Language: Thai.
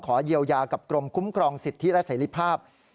เยียวยากับกรมคุ้มครองสิทธิและเสรีภาพ